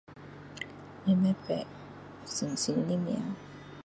我不知道新新的